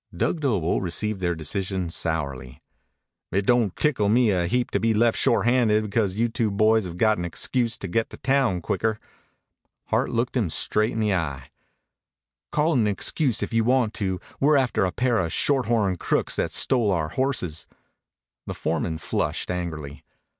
Dug Doble received their decision sourly. "It don't tickle me a heap to be left short handed because you two boys have got an excuse to get to town quicker." Hart looked him straight in the eye. "Call it an excuse if you want to. We're after a pair of shorthorn crooks that stole our horses." The foreman flushed angrily.